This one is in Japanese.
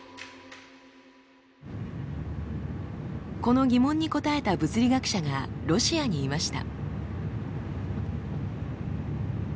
この疑問に答えた物理学者がロシアにいました。